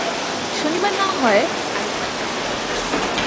শনিবার না হয় আরেক বার দেখব।